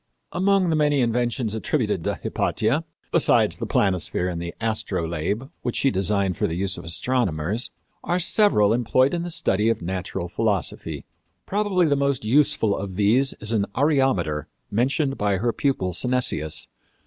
Among the many inventions attributed to Hypatia, besides the planisphere and astrolabe which she designed for the use of astronomers, are several employed in the study of natural philosophy. Probably the most useful of these is an areometer mentioned by her pupil Synesius.